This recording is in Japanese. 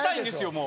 もう。